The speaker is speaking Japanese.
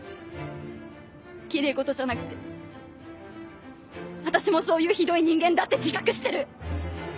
きれい事じゃなくて私もそういうひどい人間だって自覚してる。